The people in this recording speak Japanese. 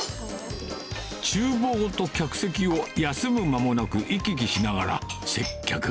ちゅう房と客席を休む間もなく行き来しながら、接客。